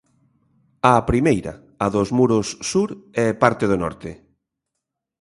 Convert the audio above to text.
A primeira, a dos muros sur e parte do norte.